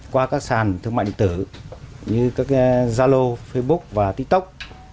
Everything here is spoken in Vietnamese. qua các sàn thương mại định tử như zalo facebook và tiktok